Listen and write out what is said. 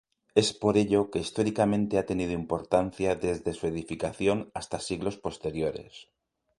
Es por ello que históricamente ha tenido importancia desde su edificación hasta siglos posteriores.